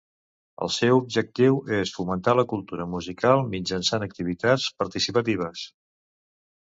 El seu objectiu és fomentar la cultura musical mitjançant activitats participatives.